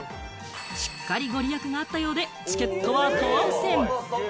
しっかり御利益があったようで、チケットは当選。